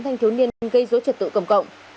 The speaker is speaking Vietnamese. thanh thiếu niên gây dối trật tự cầm cộng